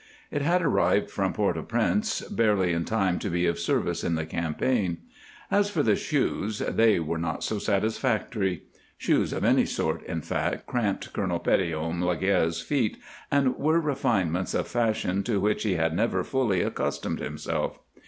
It had arrived from Port au Prince barely in time to be of service in the campaign. As for the shoes, they were not so satisfactory. Shoes of any sort, in fact, cramped Colonel Petithomme Laguerre's feet, and were refinements of fashion to which he had never fully accustomed himself.